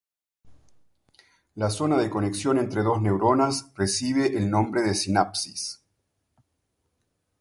La zona de conexión entre dos neuronas recibe el nombre de sinapsis.